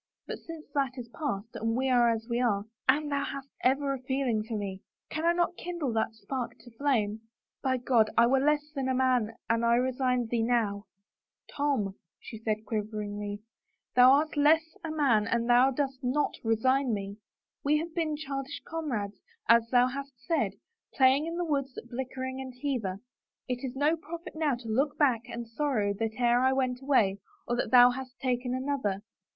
But since that is past and we are as we are — Anne, thou hast ever a feeling for me. Can I not kindle that spark to flame? By God, I were less than a man an I resigned thee now! t" Tom," she said quiveringly, " thou art less than a man an thou dost not resign me. We have been childish comrades, as thou hast said, playing in the woods at Blickling and Hever. It is no profit now to look back and sorrow that e'er I went away or that thou hast taken another.